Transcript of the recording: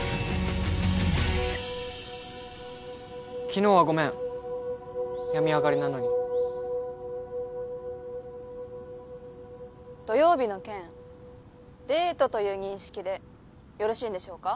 昨日はごめん病み上がりなのに土曜日の件デートという認識でよろしいんでしょうか？